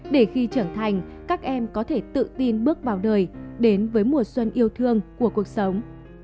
để khi trưởng thành các em có thể tự tin bước vào đời đến với mùa xuân yêu thương của cuộc sống